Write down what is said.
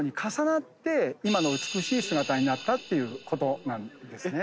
今の美しい姿になったっていうことなんですね。